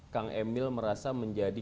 kang emil merasa menjadi